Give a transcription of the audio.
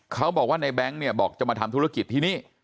เขาบอกว่าในแบงค์เนี่ยบอกจะมาทำธุรกิจที่นี่